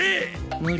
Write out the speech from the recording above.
無理。